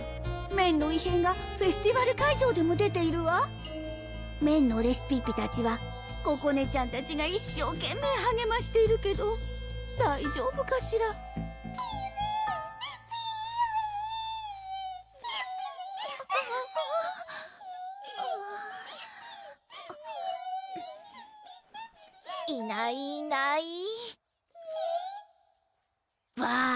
麺の異変がフェスティバル会場でも出ているわ麺のレシピッピたちはここねちゃんたちが一生懸命はげましているけど大丈夫かしらピピピピーピピーいないいないピ？ばぁ！